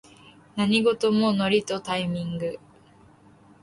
何事もノリとタイミング